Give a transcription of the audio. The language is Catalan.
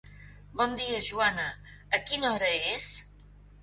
Bon dia, Joana, A quina hora és?